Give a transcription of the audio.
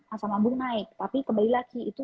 asam lambung naik tapi kembali lagi itu